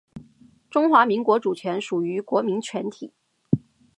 中华民国主权属于国民全体